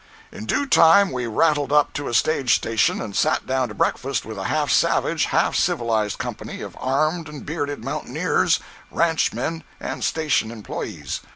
In due time we rattled up to a stage station, and sat down to breakfast with a half savage, half civilized company of armed and bearded mountaineers, ranchmen and station employees.